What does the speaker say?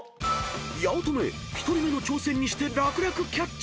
［八乙女１人目の挑戦にして楽々キャッチ］